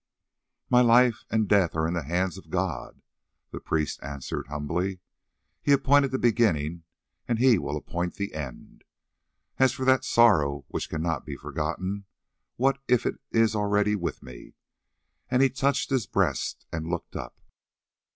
"My life and death are in the hand of God," the priest answered humbly. "He appointed the beginning and He will appoint the end. As for that sorrow which cannot be forgotten, what if it is already with me?" And he touched his breast and looked up.